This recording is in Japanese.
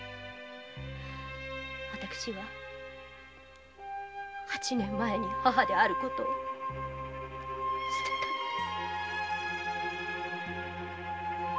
私は八年前に母である事を捨てたのです。